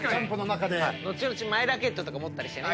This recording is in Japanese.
後々マイラケットとか持ったりしてね。